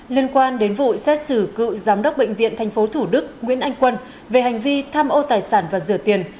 liên quan đến vụ xét xử cựu giám đốc bệnh viện tp thủ đức nguyễn anh quân về hành vi tham ô tài sản và rửa tiền